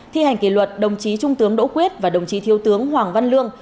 thi hành kỷ luật đồng chí trung tướng đỗ quyết và đồng chí thiếu tướng hoàng văn lương